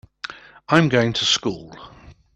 I'm going to school.